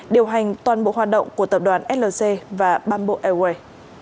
điều hành toàn bộ hoạt động của tập đoàn flc và ban bộ elway